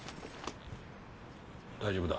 大丈夫だ。